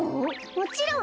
もちろん。